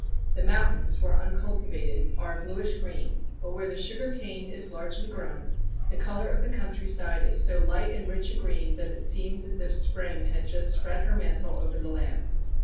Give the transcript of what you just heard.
The mountains, where uncultivated, are a bluish green, but where the sugar cane is largely grown, the color of the country side is so light and rich a green that it seems as if Spring had just spread her mantle over the land.